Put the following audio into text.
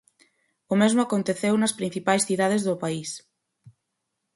O mesmo aconteceu nas principais cidades do país.